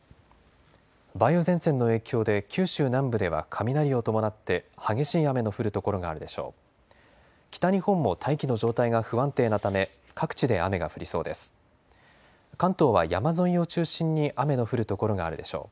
梅雨前線の影響で九州南部では雷を伴って激しい雨の降る所があるでしょう。